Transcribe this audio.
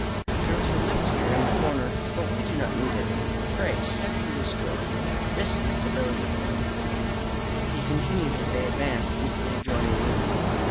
There is a lift here in the corner, but we do not need it. Pray step through this door. This is the billiard room," he continued as they advanced into the adjoining room.